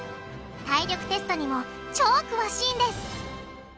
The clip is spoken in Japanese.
体力テストにも超詳しいんです。